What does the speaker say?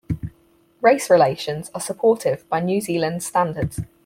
Race relations are supportive by New Zealand standards.